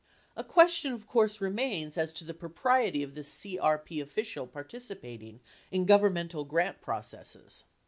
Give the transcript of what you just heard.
(A question, of course, remains as to the pro priety of this CRP official participating in governmental grant proc esses.)